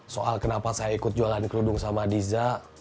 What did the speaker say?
soal kenapa saya ikut jualan kerudung sama diza